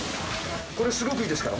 これ、すごくいいですから。